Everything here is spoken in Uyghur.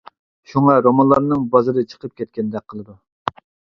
شۇڭا رومانلارنىڭ بازىرى چىقىپ كەتكەندەك قىلىدۇ.